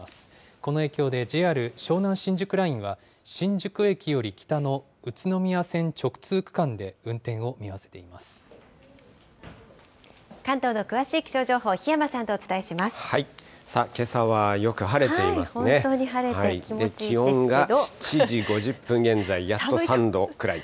この影響でＪＲ湘南新宿ラインは新宿駅より北の宇都宮線直通区間関東の詳しい気象情報、檜山さあ、けさはよく晴れていま本当に晴れて気持ちいいです気温が７時５０分現在、やっと３度くらい。